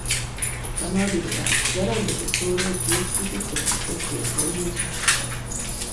サマービルは、ギャランドと症例抽出システムの特許を共有しました。